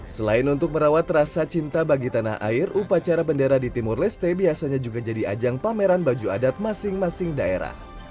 selain untuk merawat rasa cinta bagi tanah air upacara bendera di timur leste biasanya juga jadi ajang pameran baju adat masing masing daerah